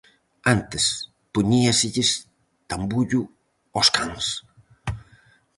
Antes poñíaselles tambullo aos cans.